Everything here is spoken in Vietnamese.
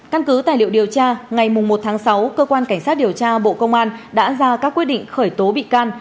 căn cứ tài liệu điều tra ngày một tháng sáu cơ quan cảnh sát điều tra bộ công an đã ra các quyết định khởi tố bị can